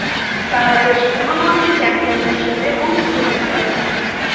বাংলাদেশ পূর্ববর্তী চ্যাম্পিয়ন হিসেবে অংশগ্রহণ করে।